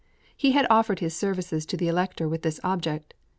He had offered his services to the Elector with this object.